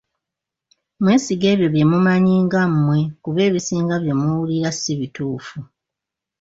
Mwesige ebyo bye mumanyi nga mmwe kuba ebisinga bye muwulira si bituufu.